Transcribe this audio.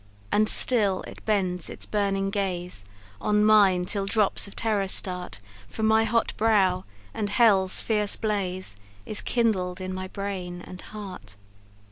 And still it bends its burning gaze On mine, till drops of terror start From my hot brow, and hell's fierce blaze Is kindled in my brain and heart.